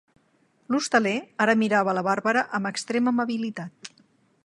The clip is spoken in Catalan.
L'hostaler ara mirava la Bàrbara amb extrema amabilitat.